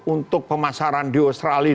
untuk pemasaran di australia